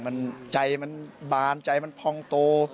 มันใจมันบานใจมันพองโต